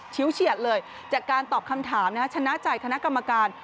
เฉียดเลยจากการตอบคำถามชนะใจคณะกรรมการ